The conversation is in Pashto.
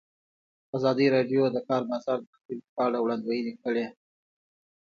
ازادي راډیو د د کار بازار د راتلونکې په اړه وړاندوینې کړې.